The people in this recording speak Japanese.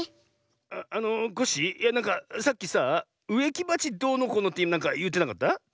あっあのコッシーいやなんかさっきさあうえきばちどうのこうのってなんかいってなかった？